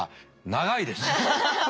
長いです。